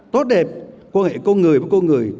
tốt đẹp quan hệ con người với con người